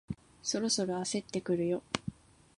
そろそろ焦ってくるよ